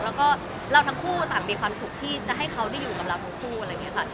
แล้วก็เราทั้งคู่ต่างมีความสุขที่จะให้เขาได้อยู่กับเราทั้งคู่อะไรอย่างนี้ค่ะ